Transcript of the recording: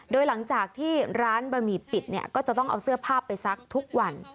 โดยหลังจากที่ร้านบะหมี่ปิดเนี่ยก็จะต้องเอาเสื้อผ้าไปซักทุกวัน